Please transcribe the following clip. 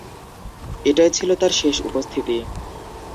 এটাই ছিল তার শেষ উপস্থিতি।